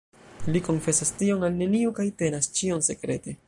Li konfesas tion al neniu kaj tenas ĉion sekrete.